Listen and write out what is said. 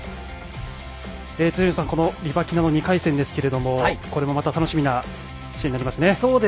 辻野さん、このリバキナ２回戦ですけれどもこれもまた楽しみな試合になりますね。